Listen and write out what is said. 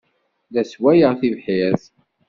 La sswayeɣ tibḥirt.